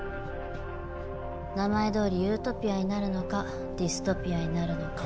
名前どおりユートピアになるのかディストピアになるのか。